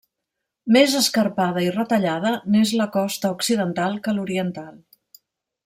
Més escarpada i retallada n'és la costa occidental que l'oriental.